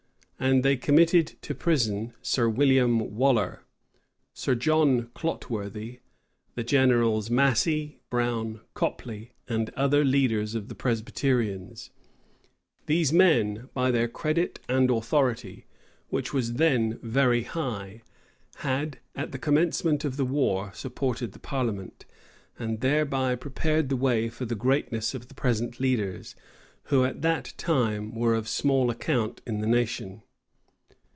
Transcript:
And they committed to prison Sir William Waller, Sir John Clotworthy, the generals Massey, Brown, Copley, and other leaders of the Presbyterians. These men, by their credit and authority, which was then very high, had, at the commencement of the war, supported the parliament; and thereby prepared the way for the greatness of the present leaders, who at that time were of small account in the nation.